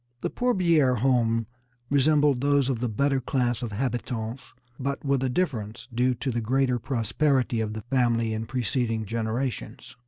The Pourbiere home resembled those of the better class of habitants, but with a difference due to the greater prosperity of the family in preceding generations.